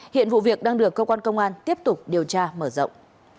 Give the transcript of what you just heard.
hiện vụ việc đang được cơ quan công an tiếp tục điều tra mở rộng